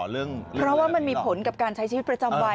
เพราะว่ามันมีผลกับการใช้ชีวิตประจำวัน